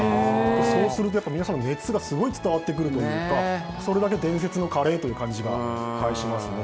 そうすると皆さんの熱がすごい伝わってくるというかそれだけ伝説のカレーという感じがしますね。